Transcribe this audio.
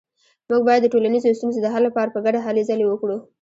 موږ باید د ټولنیزو ستونزو د حل لپاره په ګډه هلې ځلې وکړو